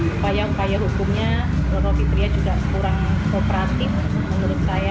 upayang upayang hukumnya roro fitriah juga kurang kooperatif menurut saya